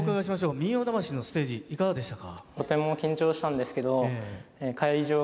「民謡魂」のステージいかがでしたか？